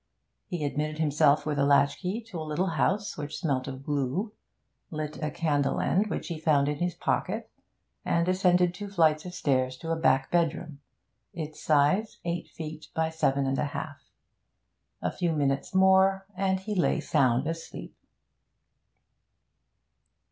He admitted himself with a latchkey to a little house which smelt of glue, lit a candle end which he found in his pocket, and ascended two flights of stairs to a back bedroom, its size eight feet by seven and a half. A few minutes more, and he lay sound asleep.